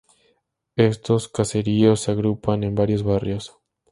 Estos caseríos se agrupan en varios barrios.